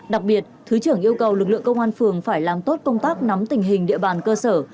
đặc biệt thứ trưởng yêu cầu lực lượng công an phường phải làm tốt công tác nắm tình hình địa bàn cơ sở